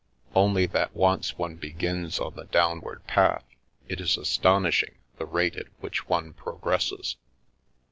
" Only that once one begins on the downward path, it is astonishing the rate at which one progresses.